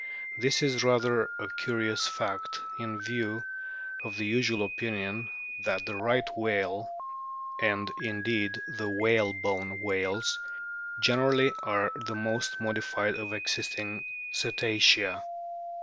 This is rather a curious fact in view of the usual opinion that the Right whale, and indeed the whalebone whales generally, are the most modified of existing Cetacea.